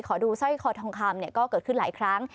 ขอดูสร้อยคอทองคำก็เกิดขึ้นหลายครั้ง